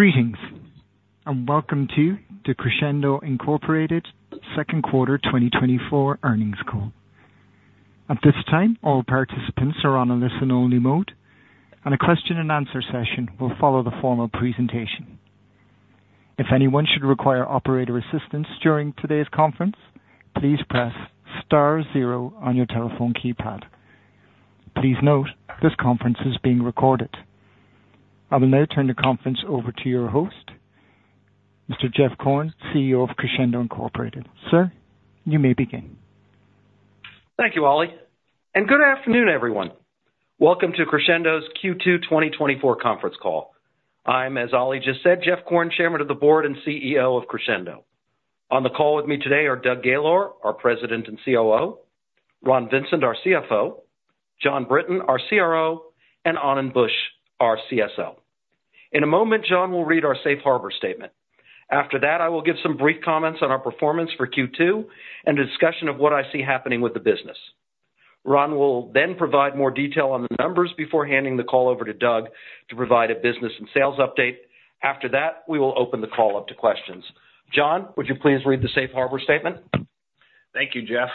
Greetings, and welcome to the Crexendo Incorporated Second Quarter 2024 earnings call. At this time, all participants are on a listen-only mode, and a question-and-answer session will follow the formal presentation. If anyone should require operator assistance during today's conference, please press star zero on your telephone keypad. Please note, this conference is being recorded. I will now turn the conference over to your host, Mr. Jeff Korn, CEO of Crexendo Incorporated. Sir, you may begin. Thank you, Ollie, and good afternoon, everyone. Welcome to Crexendo's Q2 2024 conference call. I'm, as Ollie just said, Jeff Korn, Chairman of the Board and CEO of Crexendo. On the call with me today are Doug Gaylor, our President and COO, Ron Vincent, our CFO, Jon Brinton, our CRO, and Anand Buch, our CSO. In a moment, Jon will read our Safe Harbor statement. After that, I will give some brief comments on our performance for Q2 and a discussion of what I see happening with the business. Ron will then provide more detail on the numbers before handing the call over to Doug to provide a business and sales update. After that, we will open the call up to questions. Jon, would you please read the Safe Harbor statement? Thank you, Jeff.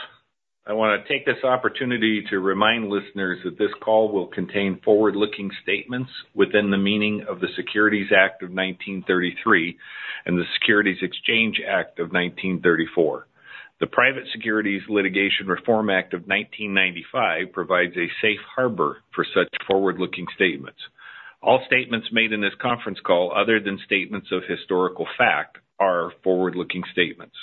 I want to take this opportunity to remind listeners that this call will contain forward-looking statements within the meaning of the Securities Act of 1933 and the Securities Exchange Act of 1934. The Private Securities Litigation Reform Act of 1995 provides a safe harbor for such forward-looking statements. All statements made in this conference call, other than statements of historical fact, are forward-looking statements.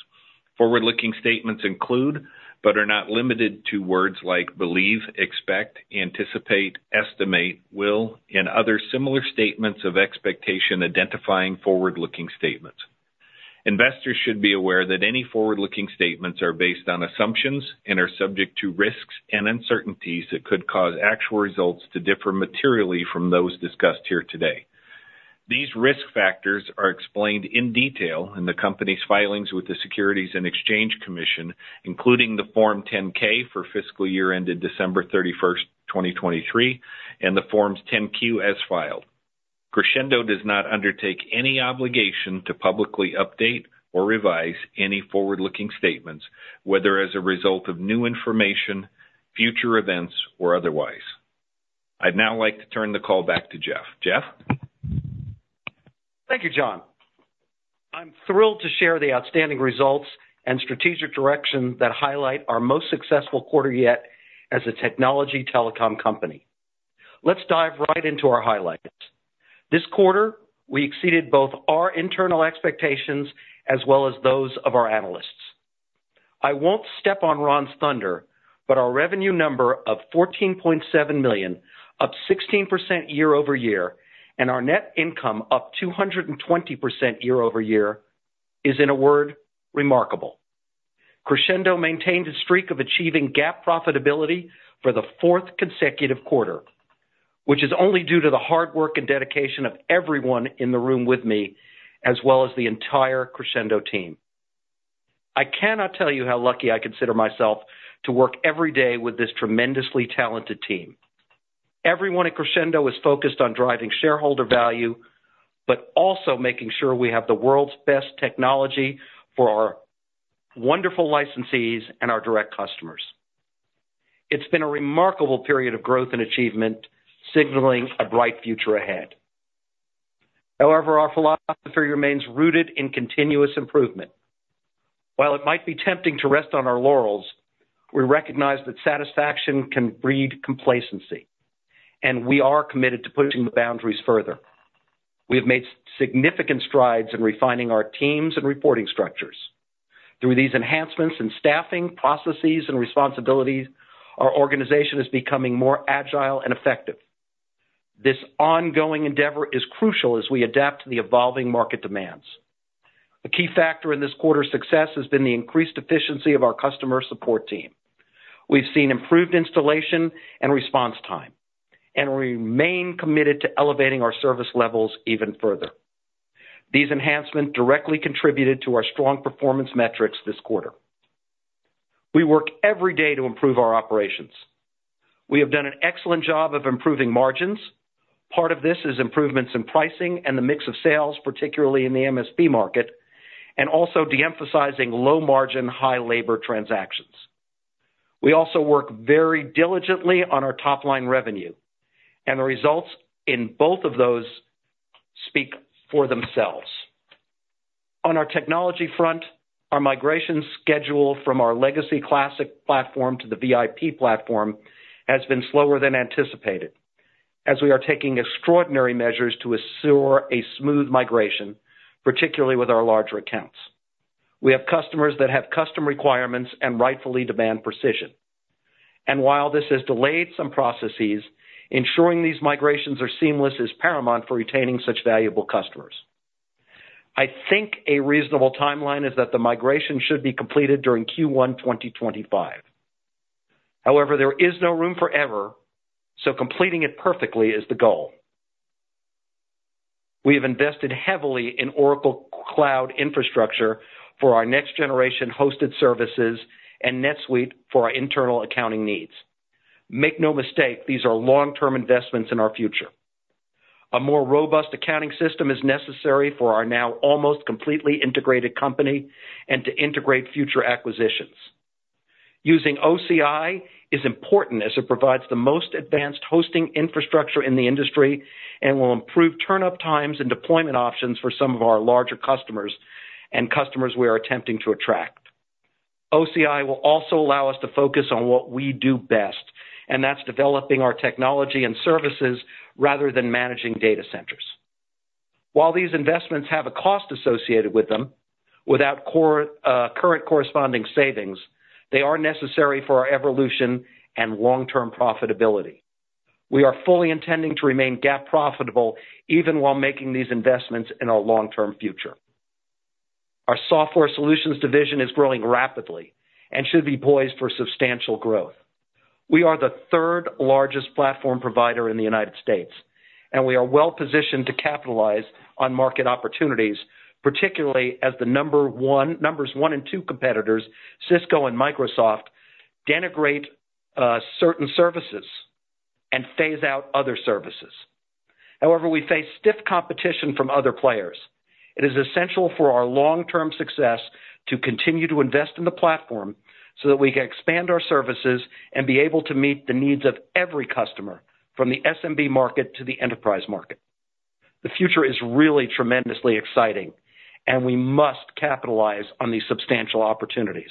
Forward-looking statements include, but are not limited to, words like believe, expect, anticipate, estimate, will, and other similar statements of expectation identifying forward-looking statements. Investors should be aware that any forward-looking statements are based on assumptions and are subject to risks and uncertainties that could cause actual results to differ materially from those discussed here today. These risk factors are explained in detail in the company's filings with the Securities and Exchange Commission, including the Form 10-K for fiscal year ended December 31, 2023, and the Forms 10-Q as filed. Crexendo does not undertake any obligation to publicly update or revise any forward-looking statements, whether as a result of new information, future events, or otherwise. I'd now like to turn the call back to Jeff. Jeff? Thank you, Jon. I'm thrilled to share the outstanding results and strategic direction that highlight our most successful quarter yet as a technology telecom company. Let's dive right into our highlights. This quarter, we exceeded both our internal expectations as well as those of our analysts. I won't step on Ron's thunder, but our revenue number of $14.7 million, up 16% year-over-year, and our net income up 220% year-over-year, is, in a word, remarkable. Crexendo maintained a streak of achieving GAAP profitability for the fourth consecutive quarter, which is only due to the hard work and dedication of everyone in the room with me, as well as the entire Crexendo team. I cannot tell you how lucky I consider myself to work every day with this tremendously talented team. Everyone at Crexendo is focused on driving shareholder value, but also making sure we have the world's best technology for our wonderful licensees and our direct customers. It's been a remarkable period of growth and achievement, signaling a bright future ahead. However, our philosophy remains rooted in continuous improvement. While it might be tempting to rest on our laurels, we recognize that satisfaction can breed complacency, and we are committed to pushing the boundaries further. We have made significant strides in refining our teams and reporting structures. Through these enhancements in staffing, processes, and responsibilities, our organization is becoming more agile and effective. This ongoing endeavor is crucial as we adapt to the evolving market demands. A key factor in this quarter's success has been the increased efficiency of our customer support team. We've seen improved installation and response time, and we remain committed to elevating our service levels even further. These enhancements directly contributed to our strong performance metrics this quarter. We work every day to improve our operations. We have done an excellent job of improving margins. Part of this is improvements in pricing and the mix of sales, particularly in the MSP market, and also de-emphasizing low-margin, high-labor transactions. We also work very diligently on our top-line revenue, and the results in both of those speak for themselves. On our technology front, our migration schedule from our legacy Classic Platform to the VIP Platform has been slower than anticipated, as we are taking extraordinary measures to assure a smooth migration, particularly with our larger accounts. We have customers that have custom requirements and rightfully demand precision. While this has delayed some processes, ensuring these migrations are seamless is paramount for retaining such valuable customers. I think a reasonable timeline is that the migration should be completed during Q1 2025. However, there is no room for error, so completing it perfectly is the goal. We have invested heavily in Oracle Cloud Infrastructure for our next-generation hosted services and NetSuite for our internal accounting needs.... Make no mistake, these are long-term investments in our future. A more robust accounting system is necessary for our now almost completely integrated company and to integrate future acquisitions. Using OCI is important as it provides the most advanced hosting infrastructure in the industry and will improve turn-up times and deployment options for some of our larger customers and customers we are attempting to attract. OCI will also allow us to focus on what we do best, and that's developing our technology and services rather than managing data centers. While these investments have a cost associated with them, without corresponding savings, they are necessary for our evolution and long-term profitability. We are fully intending to remain GAAP profitable even while making these investments in our long-term future. Our software solutions division is growing rapidly and should be poised for substantial growth. We are the third-largest platform provider in the United States, and we are well-positioned to capitalize on market opportunities, particularly as numbers one and two competitors, Cisco and Microsoft, deprecate certain services and phase out other services. However, we face stiff competition from other players. It is essential for our long-term success to continue to invest in the platform, so that we can expand our services and be able to meet the needs of every customer, from the SMB market to the enterprise market. The future is really tremendously exciting, and we must capitalize on these substantial opportunities.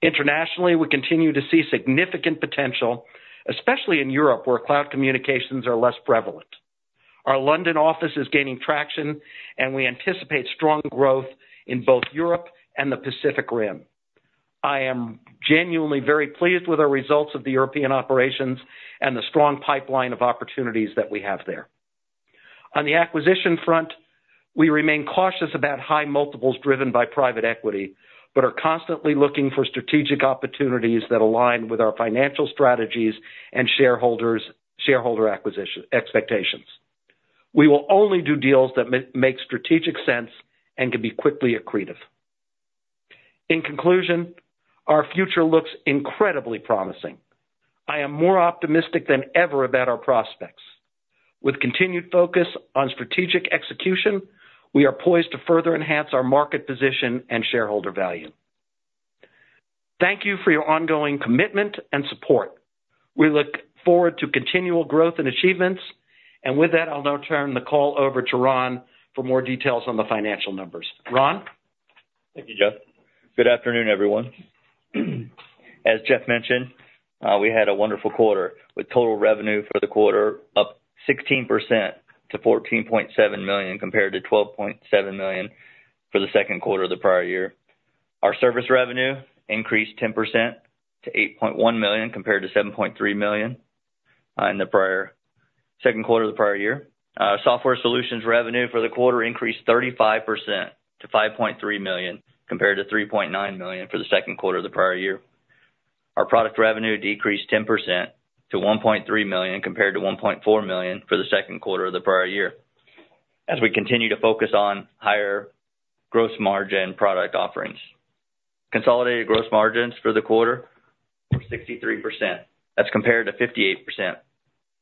Internationally, we continue to see significant potential, especially in Europe, where cloud communications are less prevalent. Our London office is gaining traction, and we anticipate strong growth in both Europe and the Pacific Rim. I am genuinely very pleased with our results of the European operations and the strong pipeline of opportunities that we have there. On the acquisition front, we remain cautious about high multiples driven by private equity, but are constantly looking for strategic opportunities that align with our financial strategies and shareholder expectations. We will only do deals that make strategic sense and can be quickly accretive. In conclusion, our future looks incredibly promising. I am more optimistic than ever about our prospects. With continued focus on strategic execution, we are poised to further enhance our market position and shareholder value. Thank you for your ongoing commitment and support. We look forward to continual growth and achievements, and with that, I'll now turn the call over to Ron for more details on the financial numbers. Ron? Thank you, Jeff. Good afternoon, everyone. As Jeff mentioned, we had a wonderful quarter, with total revenue for the quarter up 16% to $14.7 million, compared to $12.7 million for the second quarter of the prior year. Our service revenue increased 10% to $8.1 million, compared to $7.3 million in the second quarter of the prior year. Software solutions revenue for the quarter increased 35% to $5.3 million, compared to $3.9 million for the second quarter of the prior year. Our product revenue decreased 10% to $1.3 million, compared to $1.4 million for the second quarter of the prior year, as we continue to focus on higher gross margin product offerings. Consolidated gross margins for the quarter were 63%. That's compared to 58%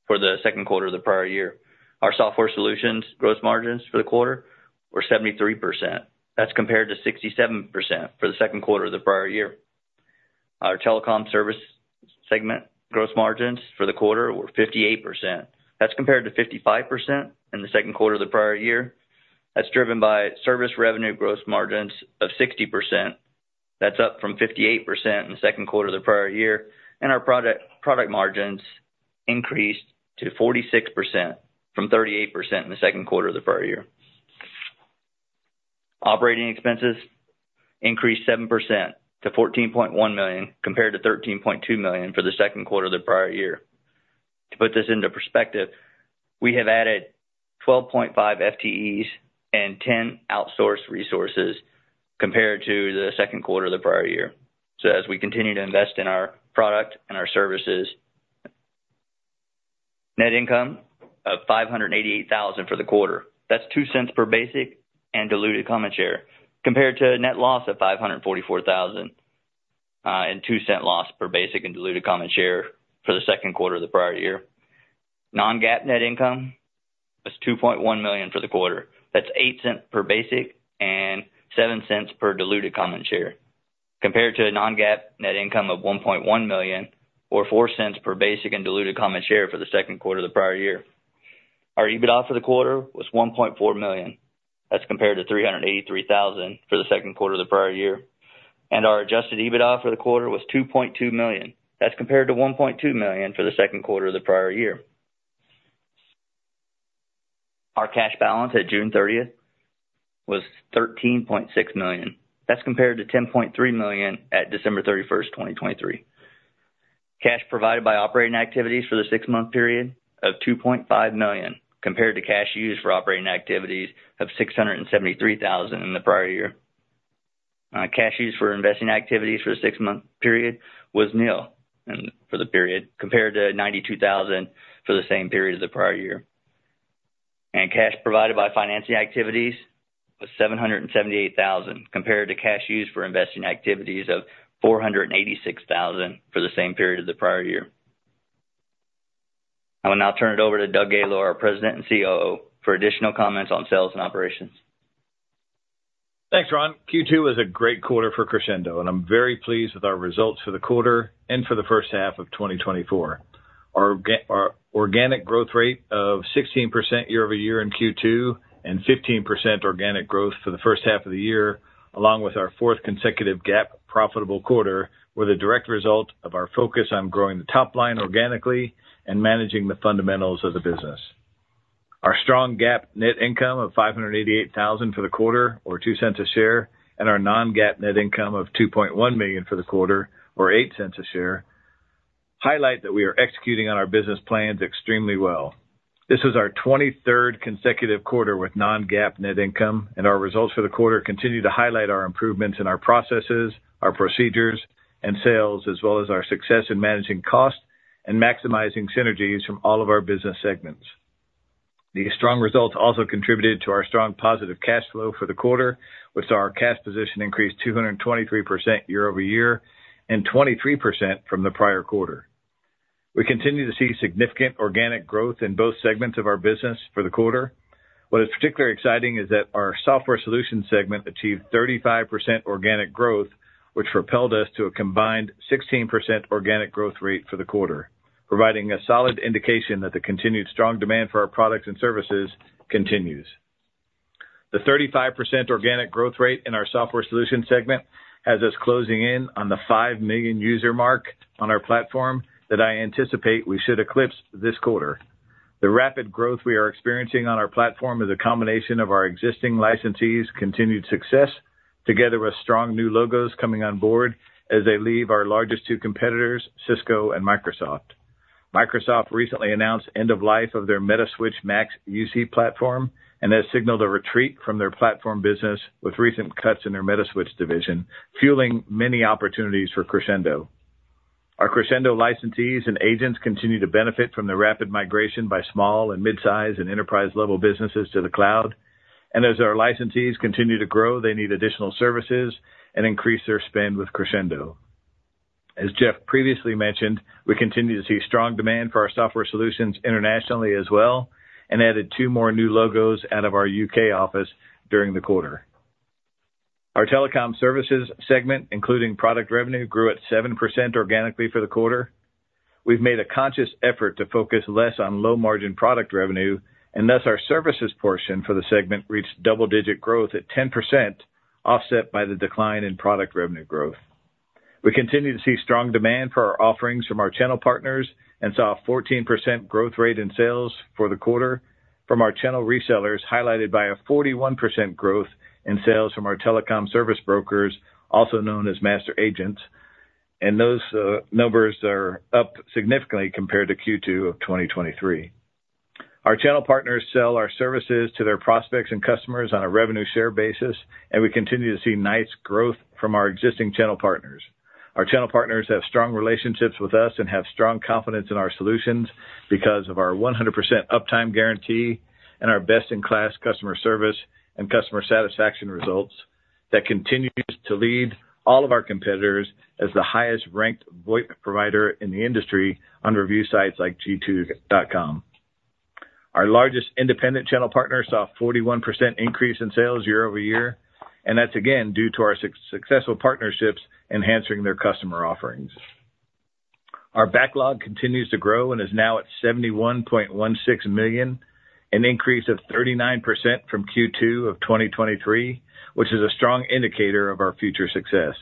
for the second quarter of the prior year. Our software solutions gross margins for the quarter were 73%. That's compared to 67% for the second quarter of the prior year. Our telecom service segment gross margins for the quarter were 58%. That's compared to 55% in the second quarter of the prior year. That's driven by service revenue gross margins of 60%. That's up from 58% in the second quarter of the prior year, and our product, product margins increased to 46% from 38% in the second quarter of the prior year. Operating expenses increased 7% to $14.1 million, compared to $13.2 million for the second quarter of the prior year. To put this into perspective, we have added 12.5 FTEs and 10 outsourced resources compared to the second quarter of the prior year. So as we continue to invest in our product and our services, net income of $588,000 for the quarter. That's $0.02 per basic and diluted common share, compared to a net loss of $544,000 and $0.02 loss per basic and diluted common share for the second quarter of the prior year. Non-GAAP net income was $2.1 million for the quarter. That's $0.08 per basic and $0.07 per diluted common share, compared to a non-GAAP net income of $1.1 million, or $0.04 per basic and diluted common share for the second quarter of the prior year. Our EBITDA for the quarter was $1.4 million. That's compared to $383,000 for the second quarter of the prior year. And our Adjusted EBITDA for the quarter was $2.2 million. That's compared to $1.2 million for the second quarter of the prior year. Our cash balance at June 30th was $13.6 million. That's compared to $10.3 million at December 31st, 2023. Cash provided by operating activities for the six-month period of $2.5 million, compared to cash used for operating activities of $673,000 in the prior year. Cash used for investing activities for the six-month period was $0, and for the period, compared to $92,000 for the same period as the prior year.... Cash provided by financing activities was $778,000, compared to cash used for investing activities of $486,000 for the same period of the prior year. I will now turn it over to Doug Gaylor, our President and COO, for additional comments on sales and operations. Thanks, Ron. Q2 was a great quarter for Crexendo, and I'm very pleased with our results for the quarter and for the first half of 2024. Our organic growth rate of 16% year-over-year in Q2, and 15% organic growth for the first half of the year, along with our fourth consecutive GAAP profitable quarter, were the direct result of our focus on growing the top line organically and managing the fundamentals of the business. Our strong GAAP net income of $588,000 for the quarter, or $0.02 a share, and our non-GAAP net income of $2.1 million for the quarter, or $0.08 a share, highlight that we are executing on our business plans extremely well. This is our 23rd consecutive quarter with non-GAAP net income, and our results for the quarter continue to highlight our improvements in our processes, our procedures, and sales, as well as our success in managing costs and maximizing synergies from all of our business segments. These strong results also contributed to our strong positive cash flow for the quarter, with our cash position increased 223% year-over-year and 23% from the prior quarter. We continue to see significant organic growth in both segments of our business for the quarter. What is particularly exciting is that our software solutions segment achieved 35% organic growth, which propelled us to a combined 16% organic growth rate for the quarter, providing a solid indication that the continued strong demand for our products and services continues. The 35% organic growth rate in our software solutions segment has us closing in on the 5 million user mark on our platform that I anticipate we should eclipse this quarter. The rapid growth we are experiencing on our platform is a combination of our existing licensees' continued success, together with strong new logos coming on board as they leave our largest two competitors, Cisco and Microsoft. Microsoft recently announced end of life of their Metaswitch MaX UC platform, and has signaled a retreat from their platform business with recent cuts in their Metaswitch division, fueling many opportunities for Crexendo. Our Crexendo licensees and agents continue to benefit from the rapid migration by small and mid-size and enterprise-level businesses to the cloud, and as our licensees continue to grow, they need additional services and increase their spend with Crexendo. As Jeff previously mentioned, we continue to see strong demand for our software solutions internationally as well, and added two more new logos out of our U.K. office during the quarter. Our telecom services segment, including product revenue, grew at 7% organically for the quarter. We've made a conscious effort to focus less on low-margin product revenue, and thus our services portion for the segment reached double-digit growth at 10%, offset by the decline in product revenue growth. We continue to see strong demand for our offerings from our channel partners, and saw a 14% growth rate in sales for the quarter from our channel resellers, highlighted by a 41% growth in sales from our telecom service brokers, also known as master agents, and those numbers are up significantly compared to Q2 of 2023. Our channel partners sell our services to their prospects and customers on a revenue share basis, and we continue to see nice growth from our existing channel partners. Our channel partners have strong relationships with us and have strong confidence in our solutions because of our 100% uptime guarantee and our best-in-class customer service and customer satisfaction results that continues to lead all of our competitors as the highest-ranked VoIP provider in the industry on review sites like G2. Our largest independent channel partner saw a 41% increase in sales year-over-year, and that's again, due to our successful partnerships enhancing their customer offerings. Our backlog continues to grow and is now at $71.16 million, an increase of 39% from Q2 of 2023, which is a strong indicator of our future success.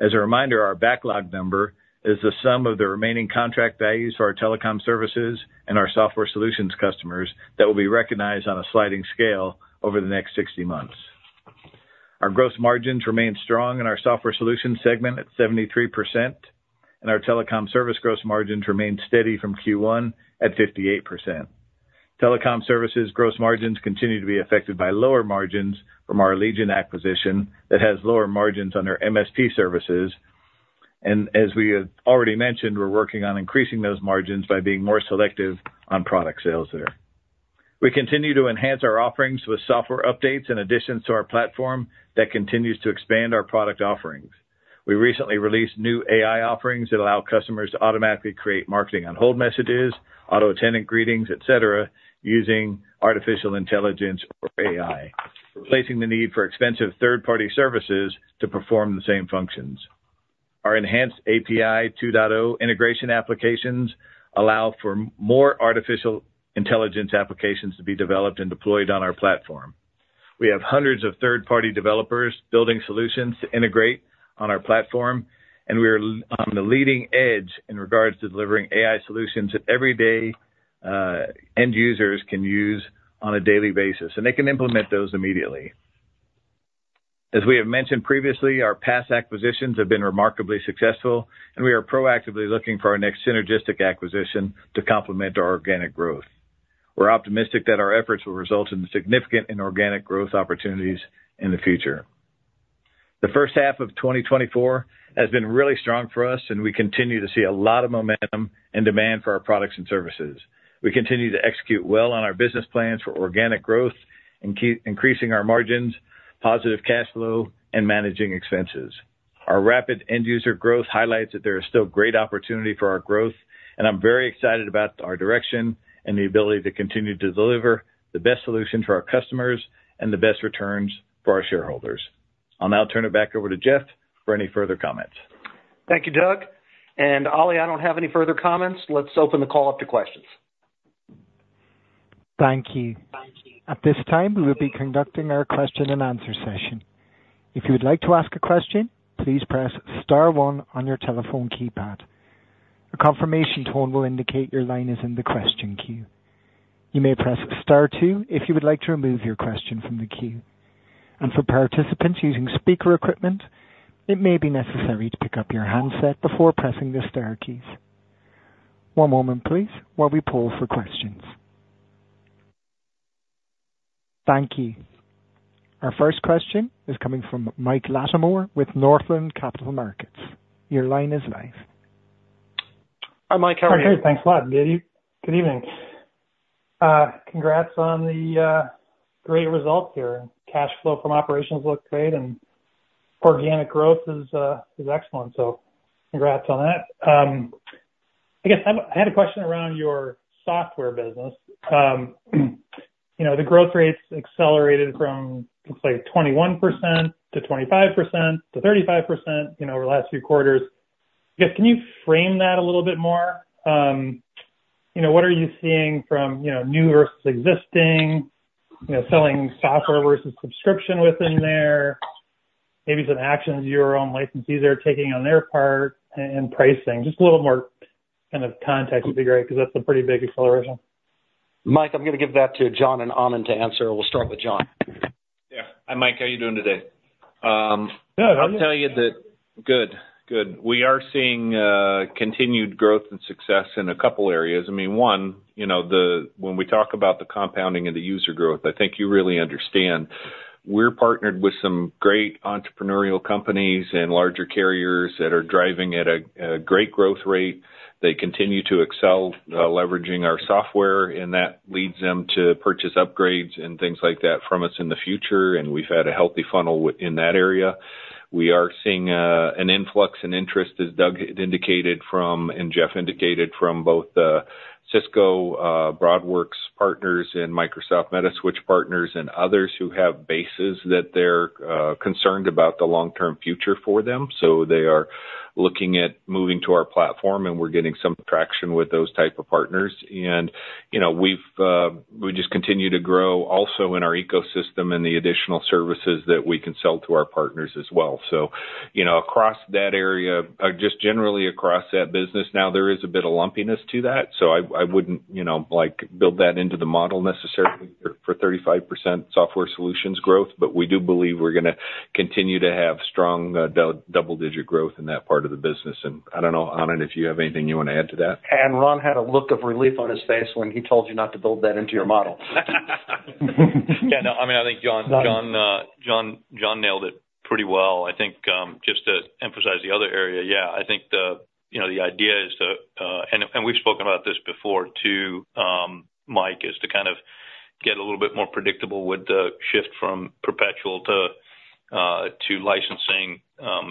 As a reminder, our backlog number is the sum of the remaining contract values for our telecom services and our software solutions customers that will be recognized on a sliding scale over the next 60 months. Our gross margins remained strong in our software solutions segment at 73%, and our telecom service gross margins remained steady from Q1 at 58%. Telecom services gross margins continue to be affected by lower margins from our Allegiant Networks acquisition that has lower margins on their MSP services. And as we have already mentioned, we're working on increasing those margins by being more selective on product sales there. We continue to enhance our offerings with software updates and additions to our platform that continues to expand our product offerings. We recently released new AI offerings that allow customers to automatically create marketing on hold messages, auto attendant greetings, et cetera, using artificial intelligence or AI, replacing the need for expensive third-party services to perform the same functions. Our enhanced API 2.0 integration applications allow for more artificial intelligence applications to be developed and deployed on our platform. We have hundreds of third-party developers building solutions to integrate on our platform, and we are on the leading edge in regards to delivering AI solutions that everyday end users can use on a daily basis, and they can implement those immediately. As we have mentioned previously, our past acquisitions have been remarkably successful, and we are proactively looking for our next synergistic acquisition to complement our organic growth. We're optimistic that our efforts will result in significant and organic growth opportunities in the future. ...The first half of 2024 has been really strong for us, and we continue to see a lot of momentum and demand for our products and services. We continue to execute well on our business plans for organic growth, increasing our margins, positive cash flow, and managing expenses. Our rapid end user growth highlights that there is still great opportunity for our growth, and I'm very excited about our direction and the ability to continue to deliver the best solution for our customers and the best returns for our shareholders. I'll now turn it back over to Jeff for any further comments. Thank you, Doug. Ollie, I don't have any further comments. Let's open the call up to questions. Thank you. At this time, we will be conducting our question and answer session. If you would like to ask a question, please press star one on your telephone keypad. A confirmation tone will indicate your line is in the question queue. You may press star two if you would like to remove your question from the queue. And for participants using speaker equipment, it may be necessary to pick up your handset before pressing the star keys. One moment, please, while we pull for questions. Thank you. Our first question is coming from Mike Latimore with Northland Capital Markets. Your line is live. Hi, Mike, how are you? Okay, thanks a lot. Good evening. Congrats on the great results here. Cash flow from operations look great, and organic growth is excellent. So congrats on that. I guess I, I had a question around your software business. You know, the growth rates accelerated from, looks like 21%-25%-35%, you know, over the last few quarters. I guess, can you frame that a little bit more? You know, what are you seeing from, you know, new versus existing, you know, selling software versus subscription within there, maybe some actions your own licensees are taking on their part and pricing? Just a little more kind of context would be great, 'cause that's a pretty big acceleration. Mike, I'm gonna give that to Jon and Anand to answer. We'll start with Jon. Yeah. Hi, Mike, how you doing today? Um, good. I'll tell you that... Good. Good. We are seeing continued growth and success in a couple areas. I mean, one, you know, when we talk about the compounding of the user growth, I think you really understand. We're partnered with some great entrepreneurial companies and larger carriers that are driving at a great growth rate. They continue to excel, leveraging our software, and that leads them to purchase upgrades and things like that from us in the future, and we've had a healthy funnel within that area. We are seeing an influx in interest, as Doug indicated from, and Jeff indicated from both the Cisco BroadWorks partners and Microsoft Metaswitch partners and others who have bases that they're concerned about the long-term future for them. So they are looking at moving to our platform, and we're getting some traction with those type of partners. And, you know, we've just continue to grow also in our ecosystem and the additional services that we can sell to our partners as well. So, you know, across that area, just generally across that business now, there is a bit of lumpiness to that, so I wouldn't, you know, like, build that into the model necessarily for 35% software solutions growth, but we do believe we're gonna continue to have strong, double digit growth in that part of the business. And I don't know, Anand, if you have anything you want to add to that? Ron had a look of relief on his face when he told you not to build that into your model. Yeah, no, I mean, I think Jon nailed it pretty well. I think, just to emphasize the other area, yeah, I think the, you know, the idea is to, and we've spoken about this before, too, Mike, is to kind of get a little bit more predictable with the shift from perpetual to licensing.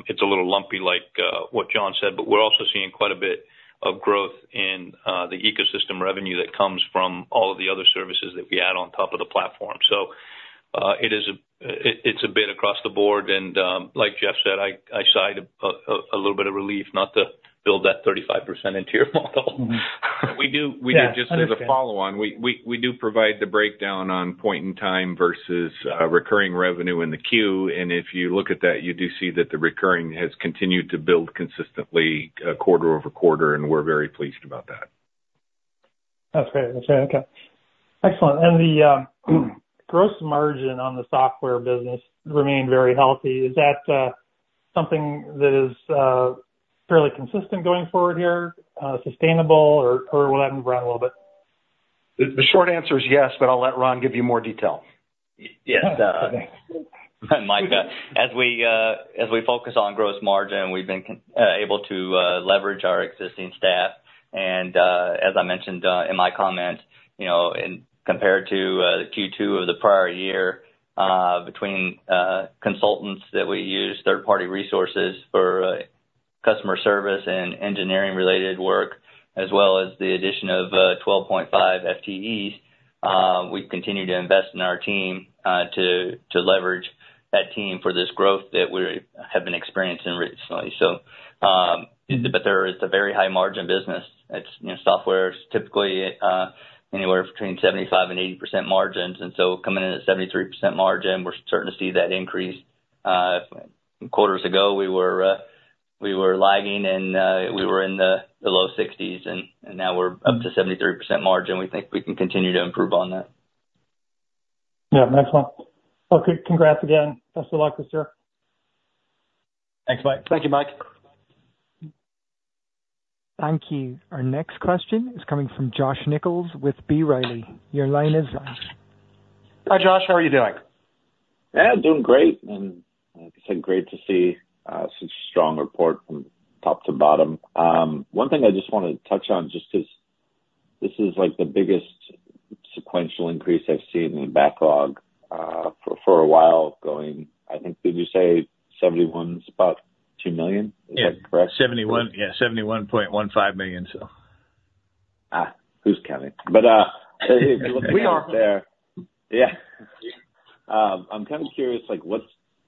It's a little lumpy like what John said, but we're also seeing quite a bit of growth in the ecosystem revenue that comes from all of the other services that we add on top of the platform. So, it is a, it, it's a bit across the board, and, like Jeff said, I sighed a little bit of relief not to build that 35% into your model. We do, we do- Yeah. Just as a follow on, we do provide the breakdown on point in time versus recurring revenue in the queue, and if you look at that, you do see that the recurring has continued to build consistently quarter-over-quarter, and we're very pleased about that. That's great. Okay, excellent. And the gross margin on the software business remained very healthy. Is that something that is fairly consistent going forward here, sustainable or will that move around a little bit? The short answer is yes, but I'll let Ron give you more detail. Yes, uh- Okay. Mike, as we focus on gross margin, we've been able to leverage our existing staff. And, as I mentioned in my comment, you know, in compared to the Q2 of the prior year, between consultants that we use, third-party resources for customer service and engineering-related work, as well as the addition of 12.5 FTEs, we've continued to invest in our team to leverage that team for this growth that we have been experiencing recently. So, but there is a very high margin business. It's, you know, software is typically anywhere between 75%-80% margins, and so coming in at 73% margin, we're starting to see that increase. Quarters ago, we were lagging, and we were in the low 60s, and now we're up to 73% margin. We think we can continue to improve on that. Yeah. Excellent. Okay, congrats again. Best of luck this year. Thanks, Mike. Thank you, Mike. Thank you. Our next question is coming from Josh Nichols with B. Riley. Your line is live. Hi, Josh, how are you doing? Yeah, doing great, and like I said, great to see such a strong report from top to bottom. One thing I just wanted to touch on, just 'cause this is, like, the biggest sequential increase I've seen in backlog for a while going, I think, did you say 71, about $2 million? Is that correct? Yeah, 71, yeah, $71.15 million, so. Ah, who's counting? But, We are. There. Yeah. I'm kind of curious, like, what's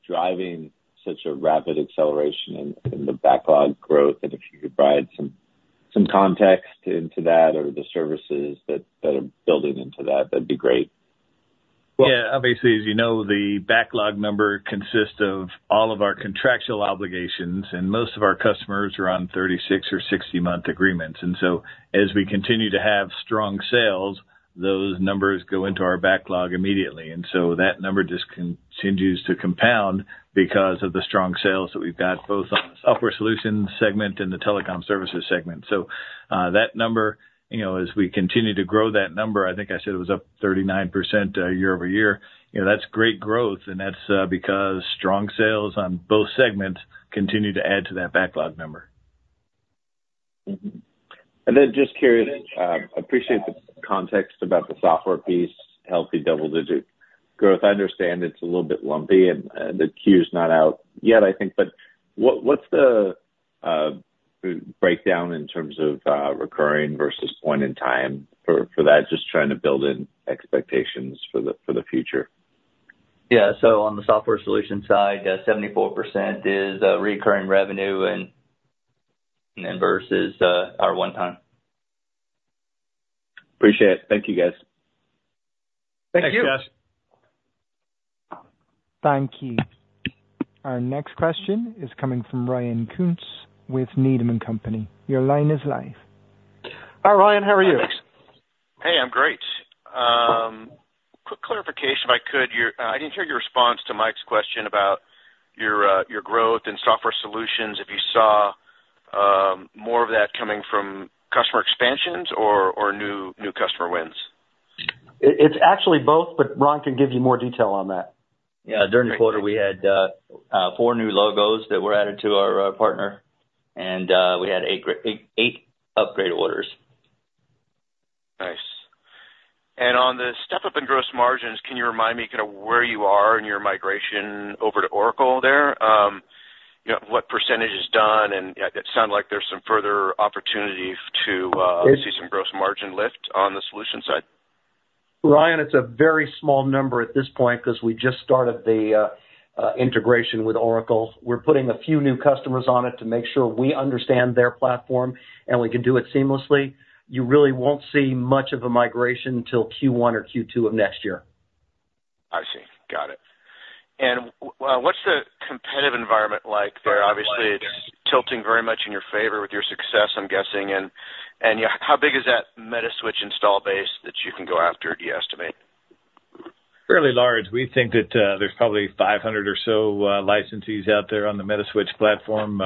driving such a rapid acceleration in the backlog growth, and if you could provide some context into that or the services that are building into that, that'd be great. Yeah. Obviously, as you know, the backlog number consists of all of our contractual obligations, and most of our customers are on 36- or 60-month agreements. So as we continue to have strong sales, those numbers go into our backlog immediately. So that number just continues to compound because of the strong sales that we've got, both on the software solution segment and the telecom services segment. That number, you know, as we continue to grow that number, I think I said it was up 39%, year-over-year. You know, that's great growth, and that's because strong sales on both segments continue to add to that backlog number. Mm-hmm. And then just curious, I appreciate the context about the software piece, healthy double-digit growth. I understand it's a little bit lumpy and the queue's not out yet, I think, but what's the breakdown in terms of recurring versus point in time for that? Just trying to build in expectations for the future. Yeah. So on the software solution side, 74% is recurring revenue, and versus our one time. Appreciate it. Thank you, guys. Thank you. Thanks, Josh. Thank you. Our next question is coming from Ryan Koontz with Needham & Company. Your line is live. Hi, Ryan. How are you? Hey, I'm great. Quick clarification, if I could. You, I didn't hear your response to Mike's question about your growth in software solutions, if you saw more of that coming from customer expansions or new customer wins? It's actually both, but Ron can give you more detail on that. Yeah. During the quarter, we had four new logos that were added to our partner, and we had eight upgrade orders. Nice. And on the step up in gross margins, can you remind me kind of where you are in your migration over to Oracle there? You know, what percentage is done, and it sounded like there's some further opportunity to see some gross margin lift on the solution side. Ryan, it's a very small number at this point, 'cause we just started the integration with Oracle. We're putting a few new customers on it to make sure we understand their platform and we can do it seamlessly. You really won't see much of a migration until Q1 or Q2 of next year. I see. Got it. And what's the competitive environment like there? Obviously, it's tilting very much in your favor with your success, I'm guessing. And yeah, how big is that Metaswitch install base that you can go after, do you estimate? Fairly large. We think that there's probably 500 or so licensees out there on the Metaswitch platform.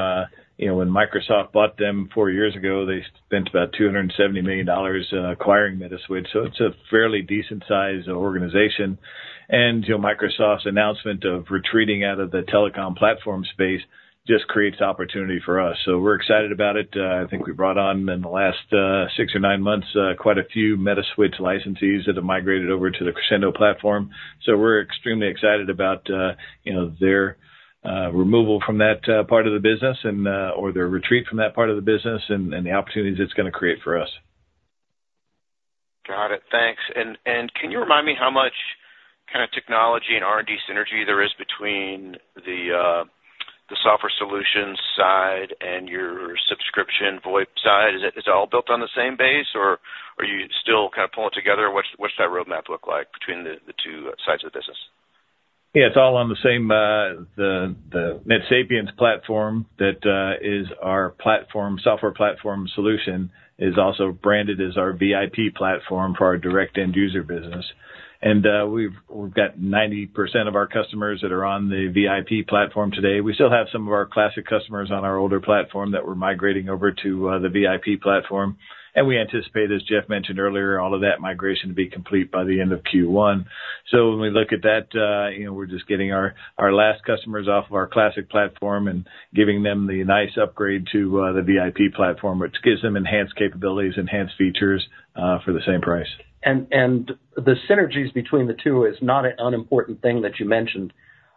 You know, when Microsoft bought them four years ago, they spent about $270 million on acquiring Metaswitch, so it's a fairly decent-sized organization. And, you know, Microsoft's announcement of retreating out of the telecom platform space just creates opportunity for us, so we're excited about it. I think we brought on, in the last six or nine months, quite a few Metaswitch licensees that have migrated over to the Crexendo platform. So we're extremely excited about, you know, their removal from that part of the business and the opportunities it's gonna create for us. Got it. Thanks. And can you remind me how much kind of technology and R&D synergy there is between the the software solutions side and your subscription VoIP side? Is it- it's all built on the same base, or are you still kind of pulling together? What's that roadmap look like between the two sides of the business? Yeah, it's all on the same, the NetSapiens Platform, that is our platform, software platform solution, is also branded as our VIP Platform for our direct end user business. And we've, we've got 90% of our customers that are on the VIP Platform today. We still have some of our Classic Platform customers on our older platform that we're migrating over to the VIP Platform, and we anticipate, as Jeff mentioned earlier, all of that migration to be complete by the end of Q1. So when we look at that, you know, we're just getting our, our last customers off of our Classic Platform and giving them the nice upgrade to the VIP Platform, which gives them enhanced capabilities, enhanced features for the same price. And the synergies between the two is not an unimportant thing that you mentioned.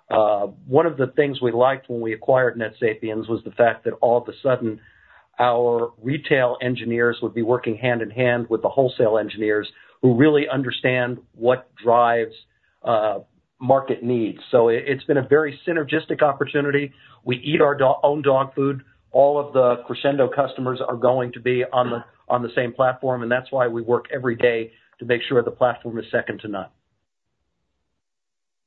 One of the things we liked when we acquired NetSapiens was the fact that all of a sudden, our retail engineers would be working hand in hand with the wholesale engineers, who really understand what drives market needs. So it's been a very synergistic opportunity. We eat our own dog food. All of the Crexendo customers are going to be on the same platform, and that's why we work every day to make sure the platform is second to none.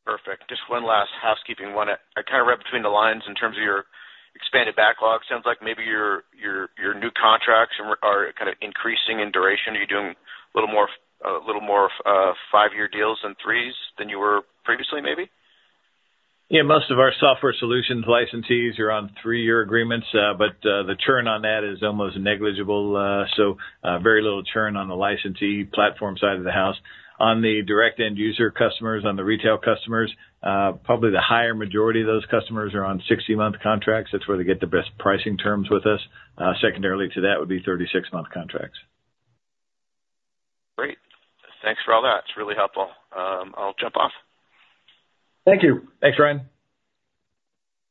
Perfect. Just one last housekeeping one. I kind of read between the lines in terms of your expanded backlog. Sounds like maybe your new contracts are kind of increasing in duration. Are you doing a little more five year deals than 3s than you were previously, maybe? ... Yeah, most of our software solutions licensees are on three year agreements, but the churn on that is almost negligible. So, very little churn on the licensee platform side of the house. On the direct end user customers, on the retail customers, probably the higher majority of those customers are on 60-month contracts. That's where they get the best pricing terms with us. Secondarily to that would be 36-month contracts. Great. Thanks for all that. It's really helpful. I'll jump off. Thank you. Thanks, Ryan.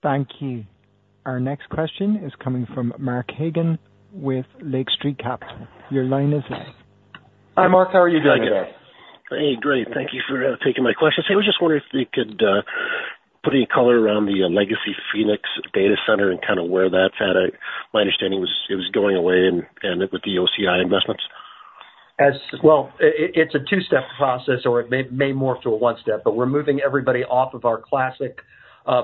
Thank you. Our next question is coming from Mark Hagen with Lake Street Capital. Your line is live. Hi, Mark, how are you doing today? Hey, great. Thank you for taking my questions. I was just wondering if you could put any color around the legacy Phoenix Data Center and kind of where that's at. My understanding was it was going away and with the OCI investments. As well, it's a two-step process, or it may morph to a one step, but we're moving everybody off of our Classic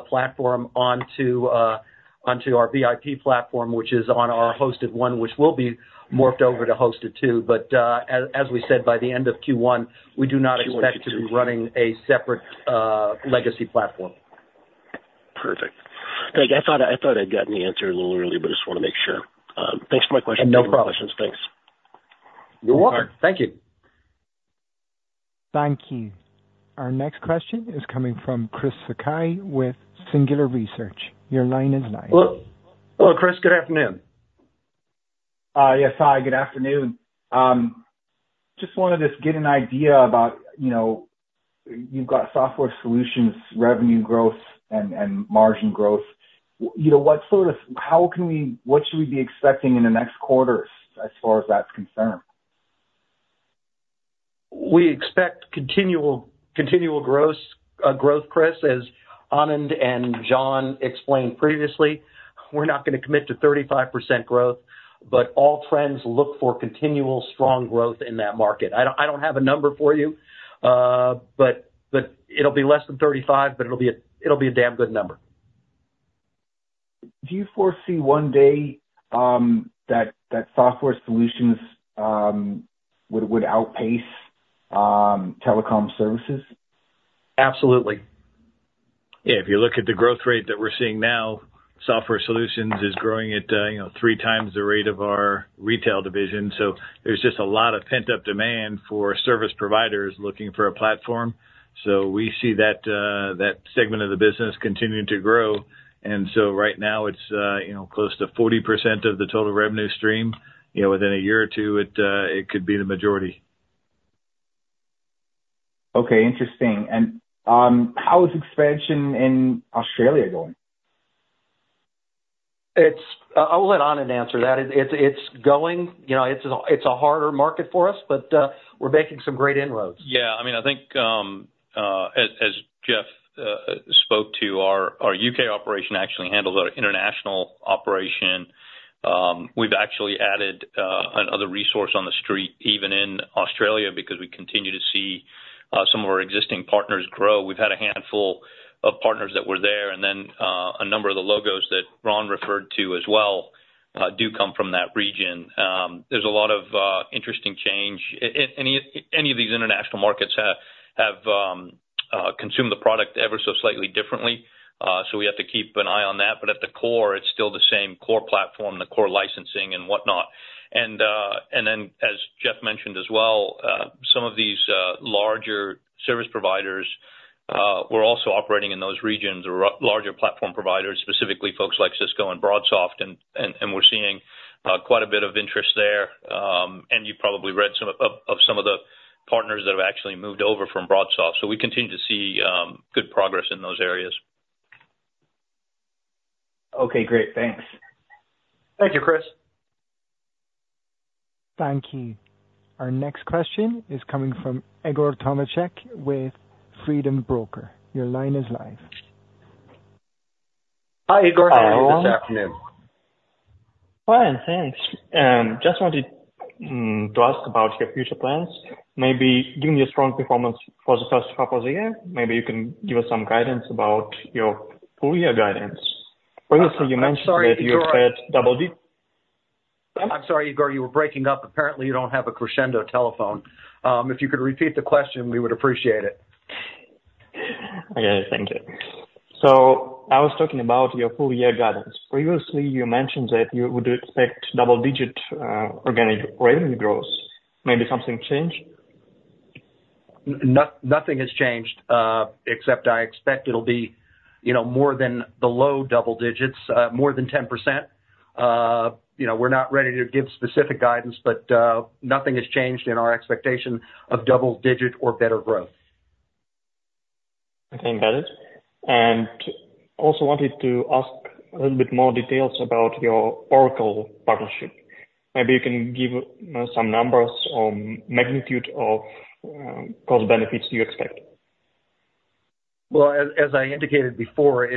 Platform onto our VIP Platform, which is on our hosted one, which will be morphed over to hosted two. But as we said, by the end of Q1, we do not expect to be running a separate legacy platform. Perfect. Thank you. I thought I'd gotten the answer a little earlier, but I just wanna make sure. Thanks for my question. No problem. Thanks. You're welcome. Thank you. Thank you. Our next question is coming from Chris Sakai with Singular Research. Your line is live. Hello, hello, Chris. Good afternoon. Yes. Hi, good afternoon. Just wanted to just get an idea about, you know, you've got software solutions, revenue growth, and, and margin growth. You know, what sort of... How can we—what should we be expecting in the next quarters as far as that's concerned? We expect continual, continual gross growth, Chris, as Anand and Jon explained previously. We're not gonna commit to 35% growth, but all trends look for continual strong growth in that market. I don't, I don't have a number for you, but, but it'll be less than 35, but it'll be a, it'll be a damn good number. Do you foresee one day that software solutions would outpace telecom services? Absolutely. Yeah. If you look at the growth rate that we're seeing now, software solutions is growing at, you know, three times the rate of our retail division. So there's just a lot of pent-up demand for service providers looking for a platform. So we see that, that segment of the business continuing to grow. And so right now it's, you know, close to 40% of the total revenue stream. You know, within a year or two, it, it could be the majority. Okay. Interesting. And, how is expansion in Australia going? It's... I'll let Anand answer that. It's going, you know, it's a harder market for us, but we're making some great inroads. Yeah, I mean, I think, as Jeff spoke to our U.K. operation actually handles our international operation. We've actually added another resource on the street, even in Australia, because we continue to see some of our existing partners grow. We've had a handful of partners that were there, and then a handful of the logos that Ron referred to as well do come from that region. There's a lot of interesting change. Any of these international markets have consumed the product ever so slightly differently, so we have to keep an eye on that. But at the core, it's still the same core platform, the core licensing and whatnot. And then, as Jeff mentioned as well, some of these larger service providers we're also operating in those regions or larger platform providers, specifically folks like Cisco and BroadSoft, and we're seeing quite a bit of interest there. You've probably read some of the partners that have actually moved over from BroadSoft. We continue to see good progress in those areas. Okay, great. Thanks. Thank you, Chris. Thank you. Our next question is coming from Igor Tishin with Freedom Finance. Your line is live. Hi, Igor. Good afternoon. Hi, and thanks. Just wanted to ask about your future plans. Maybe giving a strong performance for the first half of the year, maybe you can give us some guidance about your full year guidance. Obviously, you mentioned- I'm sorry, Igor. Double dig- I'm sorry, Igor, you were breaking up. Apparently, you don't have a Crexendo telephone. If you could repeat the question, we would appreciate it. Okay, thank you. So I was talking about your full year guidance. Previously, you mentioned that you would expect double digit organic revenue growth. Maybe something changed? Nothing has changed, except I expect it'll be, you know, more than the low double digits, more than 10%. You know, we're not ready to give specific guidance, but nothing has changed in our expectation of double-digit or better growth. Okay, got it. And also wanted to ask a little bit more details about your Oracle partnership. Maybe you can give some numbers on magnitude of cost benefits do you expect? Well, as I indicated before,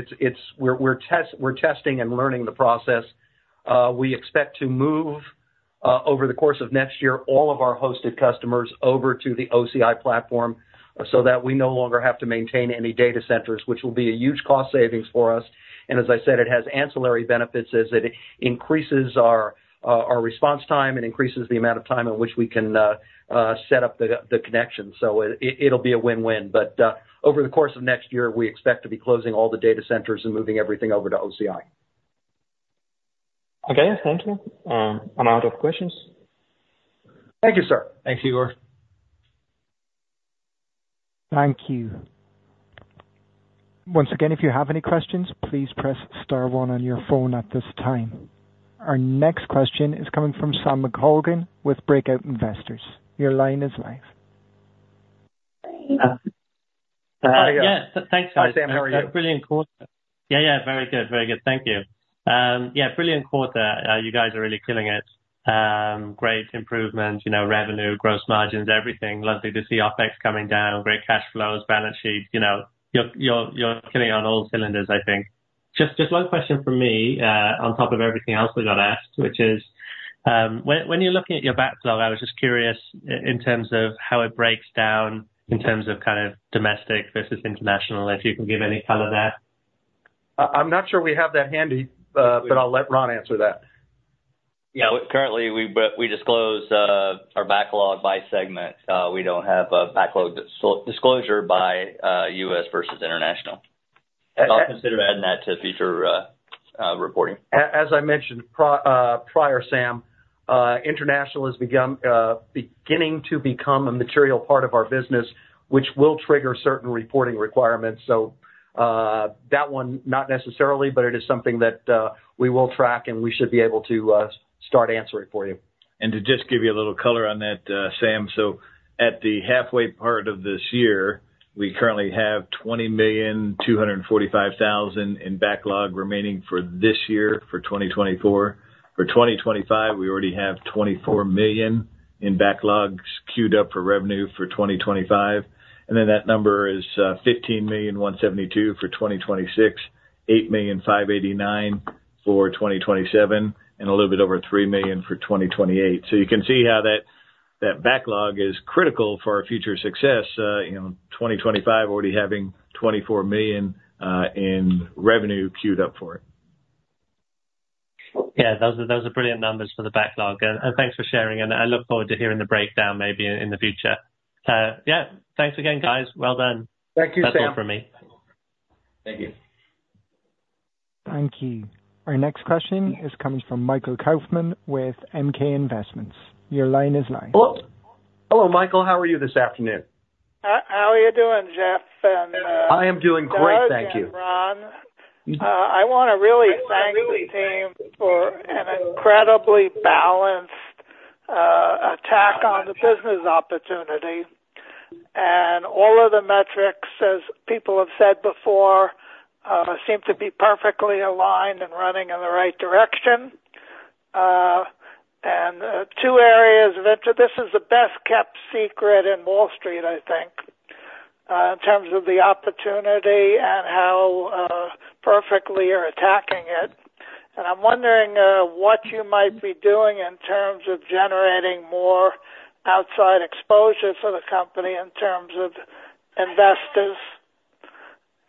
we're testing and learning the process. We expect to move over the course of next year all of our hosted customers over to the OCI platform, so that we no longer have to maintain any data centers, which will be a huge cost savings for us. And as I said, it has ancillary benefits as it increases our response time and increases the amount of time in which we can set up the connection. So it'll be a win-win, but over the course of next year, we expect to be closing all the data centers and moving everything over to OCI. ... Okay, thank you. I'm out of questions. Thank you, sir. Thanks, Igor. Thank you. Once again, if you have any questions, please press star one on your phone at this time. Our next question is coming from Sam McColgan with Breakout Investors. Your line is live. Hi, yeah. Thanks, guys. Hi, Sam. How are you? Brilliant quarter. Yeah, yeah. Very good. Very good. Thank you. Yeah, brilliant quarter. You guys are really killing it. Great improvement, you know, revenue, gross margins, everything. Lovely to see OpEx coming down, great cash flows, balance sheet. You know, you're killing on all cylinders, I think. Just one question from me, on top of everything else we got asked, which is, when you're looking at your backlog, I was just curious in terms of how it breaks down in terms of kind of domestic versus international, if you can give any color there? I'm not sure we have that handy, but I'll let Ron answer that. Yeah. Currently, we disclose our backlog by segment. We don't have a backlog disclosure by U.S. versus international. I'll consider adding that to future reporting. As I mentioned prior, Sam, international has become beginning to become a material part of our business, which will trigger certain reporting requirements. So, that one, not necessarily, but it is something that we will track, and we should be able to start answering for you. To just give you a little color on that, Sam, so at the halfway part of this year, we currently have $20,245,000 in backlog remaining for this year, for 2024. For 2025, we already have $24 million in backlogs queued up for revenue for 2025, and then that number is $15,172,000 for 2026, $8,589,000 for 2027, and a little bit over $3 million for 2028. So you can see how that backlog is critical for our future success, you know, 2025 already having $24 million in revenue queued up for it. Yeah, those are, those are brilliant numbers for the backlog. And, and thanks for sharing, and I look forward to hearing the breakdown maybe in the future. Yeah, thanks again, guys. Well done. Thank you, Sam. That's all from me. Thank you. Thank you. Our next question is coming from Michael Kaufman with MK Investments. Your line is live. Hello. Hello, Michael. How are you this afternoon? How are you doing, Jeff, and I am doing great, thank you. Doug and Ron. I wanna really thank the team for an incredibly balanced attack on the business opportunity. And all of the metrics, as people have said before, seem to be perfectly aligned and running in the right direction. And two areas of interest. This is the best-kept secret in Wall Street, I think, in terms of the opportunity and how perfectly you're attacking it. And I'm wondering what you might be doing in terms of generating more outside exposure for the company in terms of investors?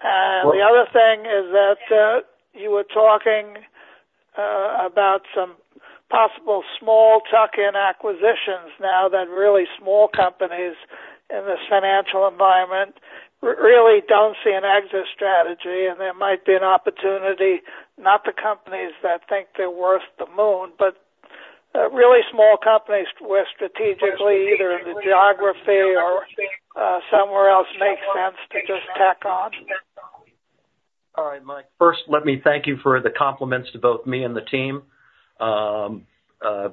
And the other thing is that you were talking about some possible small tuck-in acquisitions now that really small companies in this financial environment really don't see an exit strategy, and there might be an opportunity, not the companies that think they're worth the moon, but really small companies where strategically, either in the geography or somewhere else, makes sense to just tack on. All right, Mike. First, let me thank you for the compliments to both me and the team.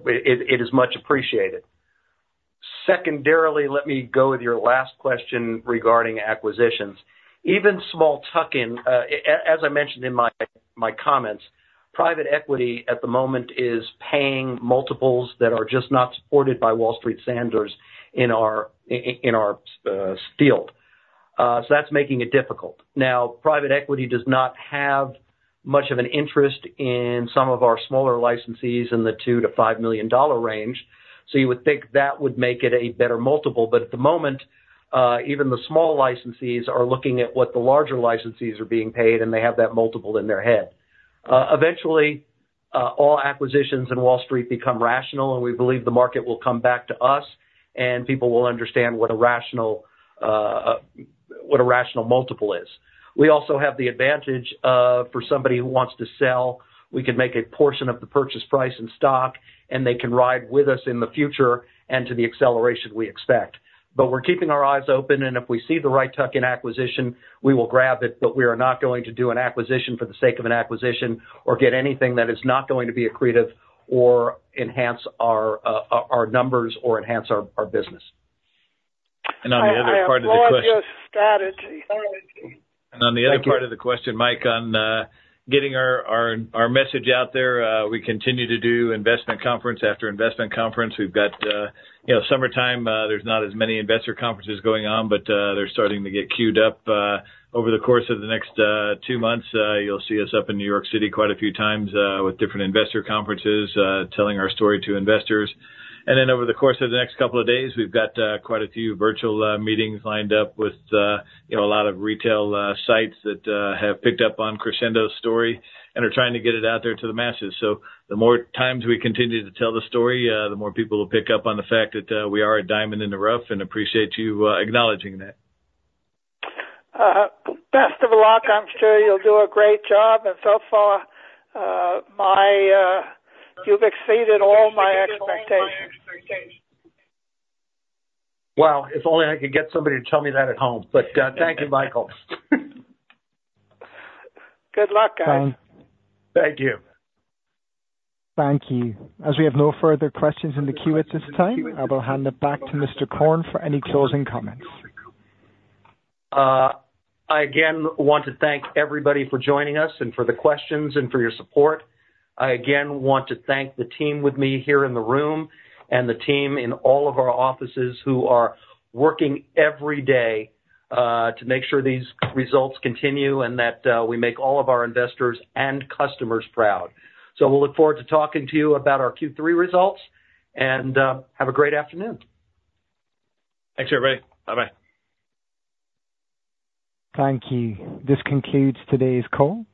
It is much appreciated. Secondarily, let me go with your last question regarding acquisitions. Even small tuck-in, as I mentioned in my comments, private equity at the moment is paying multiples that are just not supported by Wall Street standards in our field. So that's making it difficult. Now, private equity does not have much of an interest in some of our smaller licensees in the $2-5 million range, so you would think that would make it a better multiple. But at the moment, even the small licensees are looking at what the larger licensees are being paid, and they have that multiple in their head. Eventually, all acquisitions in Wall Street become rational, and we believe the market will come back to us, and people will understand what a rational multiple is. We also have the advantage of, for somebody who wants to sell, we can make a portion of the purchase price in stock, and they can ride with us in the future and to the acceleration we expect. But we're keeping our eyes open, and if we see the right tuck-in acquisition, we will grab it, but we are not going to do an acquisition for the sake of an acquisition or get anything that is not going to be accretive or enhance our numbers or enhance our business. On the other part of the question- I applaud your strategy. And on the other part of the question, Mike, on getting our message out there, we continue to do investment conference after investment conference. We've got, you know, summertime, there's not as many investor conferences going on, but they're starting to get queued up over the course of the next two months. You'll see us up in New York City quite a few times with different investor conferences telling our story to investors. And then over the course of the next couple of days, we've got quite a few virtual meetings lined up with, you know, a lot of retail sites that have picked up on Crexendo's story and are trying to get it out there to the masses. So the more times we continue to tell the story, the more people will pick up on the fact that we are a diamond in the rough and appreciate you acknowledging that. Best of luck. I'm sure you'll do a great job, and so far, You've exceeded all my expectations. Well, if only I could get somebody to tell me that at home. But, thank you, Michael. Good luck, guys. Thank you. Thank you. As we have no further questions in the queue at this time, I will hand it back to Mr. Korn for any closing comments. I again want to thank everybody for joining us and for the questions and for your support. I again want to thank the team with me here in the room and the team in all of our offices who are working every day, to make sure these results continue and that we make all of our investors and customers proud. So we'll look forward to talking to you about our Q3 results, and have a great afternoon. Thanks, everybody. Bye-bye. Thank you. This concludes today's call.